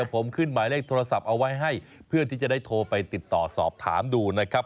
ผมขึ้นหมายเลขโทรศัพท์เอาไว้ให้เพื่อที่จะได้โทรไปติดต่อสอบถามดูนะครับ